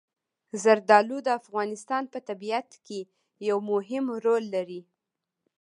زردالو د افغانستان په طبیعت کې یو مهم رول لري.